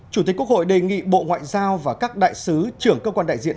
chủ tịch quốc hội đề nghị bộ ngoại giao và các đại sứ trưởng cơ quan đại diện